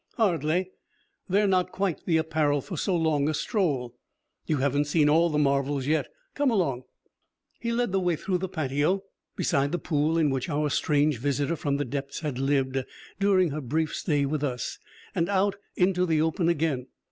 "Hardly. They're not quite the apparel for so long a stroll. You haven't seen all the marvels yet. Come along!" He led the way through the patio, beside the pool in which our strange visitor from the depths had lived during her brief stay with us, and out into the open again.